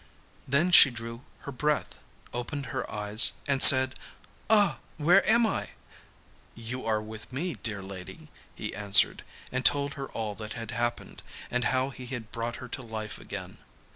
Then she drew her breath, opened her eyes, and said, 'Ah! where am I?' 'You are with me, dear lady,' he answered, and told her all that had happened, and how he had brought her to life again.